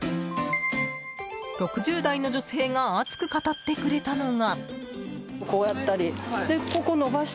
６０代の女性が熱く語ってくれたのが。